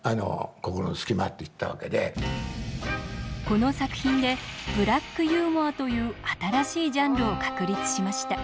この作品でブラックユーモアという新しいジャンルを確立しました。